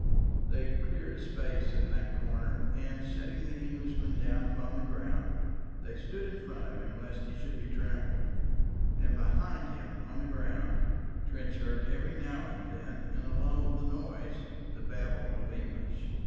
They cleared a space in that corner and, setting the Englishman down upon the ground, they stood in front of him lest he should be trampled. And behind him upon the ground Trench heard every now and then in a lull of the noise the babble of English.